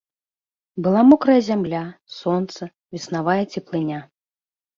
Была мокрая зямля, сонца, веснавая цеплыня.